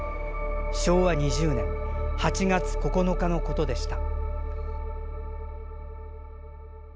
昭和２０年８月９日のことでした。